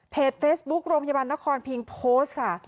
เฟซบุ๊คโรงพยาบาลนครพิงโพสต์ค่ะ